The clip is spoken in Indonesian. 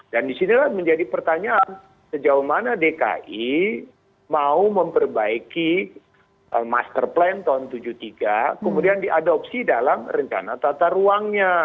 dan disinilah menjadi pertanyaan sejauh mana dki mau memperbaiki master plan tahun tujuh puluh tiga kemudian diadopsi dalam rencana tata ruangnya